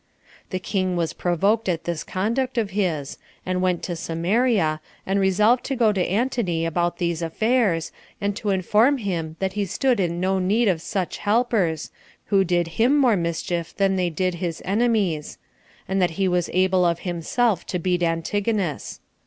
The king was provoked at this conduct of his, and went to Samaria, and resolved to go to Antony about these affairs, and to inform him that he stood in no need of such helpers, who did him more mischief than they did his enemies; and that he was able of himself to beat Antigonus.